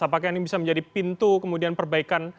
apakah ini bisa menjadi pintu kemudian perbaikan